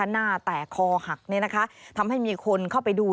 หน้าแตกคอหักทำให้มีคนเข้าไปดู